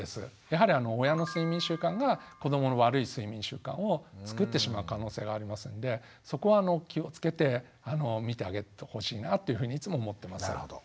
やはり親の睡眠習慣が子どもの悪い睡眠習慣を作ってしまう可能性がありますのでそこは気をつけてみてあげてほしいなというふうにいつも思ってます。